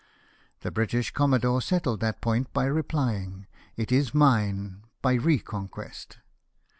The British commodore settled that point by replying, "It is mine by re conquest."